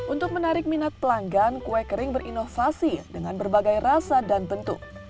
untuk menarik minat pelanggan kue kering berinovasi dengan berbagai rasa dan bentuk